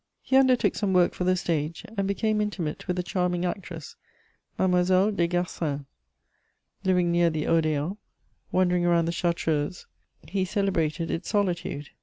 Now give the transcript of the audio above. He undertook some work for the stage, and became intimate with a charming actress, Mademoiselle Desgarcins. Living near the Odéon, wandering around the Chartreuse he celebrated its solitude.